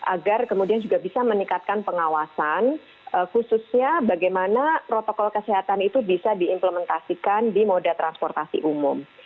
agar kemudian juga bisa meningkatkan pengawasan khususnya bagaimana protokol kesehatan itu bisa diimplementasikan di moda transportasi umum